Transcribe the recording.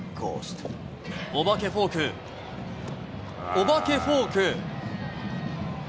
お化けフォーク、お化けフォーク。